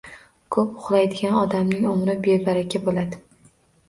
Ko‘p uxlaydigan odamning umri bebaraka bo‘ladi.